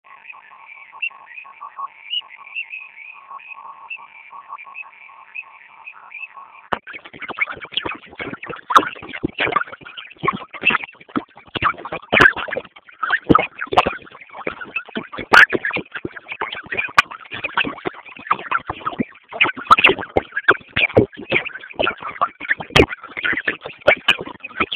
milioni tatu zilitengwa